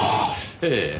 ええ。